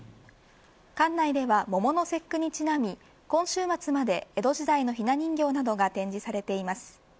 館内では桃の節句にちなみ今週末まで江戸時代のひな人形などが展示されています。